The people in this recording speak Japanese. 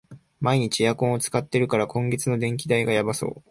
毎日エアコン使ってるから、今月の電気代やばそう